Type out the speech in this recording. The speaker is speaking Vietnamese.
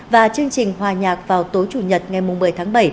và chương trình hòa nhạc vào tối chủ nhật ngày một mươi tháng bảy